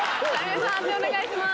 判定お願いします。